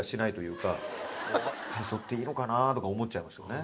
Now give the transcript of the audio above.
誘っていいのかな？とか思っちゃいますよね。